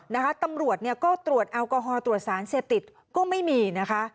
ตำรวจเนี่ยก็ตรวจแอลกอฮอล์ตรวจสารเสพติดก็ไม่มีนะคะ